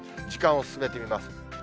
時間を進めてみます。